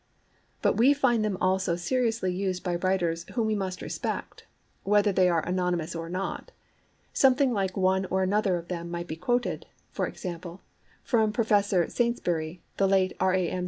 But we find them also seriously used by writers whom we must respect, whether they are anonymous or not; something like one or another of them might be quoted, for example, from Professor Saintsbury, the late R. A. M.